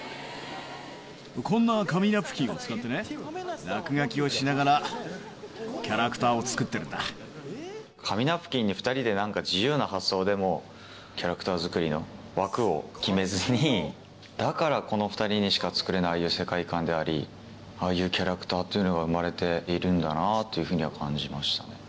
こんな紙ナプキンを使ってね、落書きをしながら、キャラクター紙ナプキンに２人でなんか、自由な発想で、もうキャラクター作りの枠を決めずに、だから、この２人にしか作れないああいう世界観であり、ああいうキャラクターというのが生まれているんだなぁというふうには感じましたね。